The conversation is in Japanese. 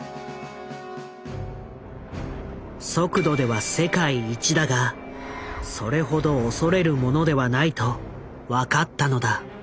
速度では世界一だがそれほど恐れるものではないと分かったのだ。